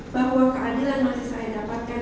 bahwa keadilan masih saya dapatkan